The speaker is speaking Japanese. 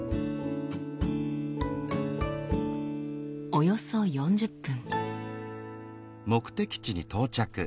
およそ４０分。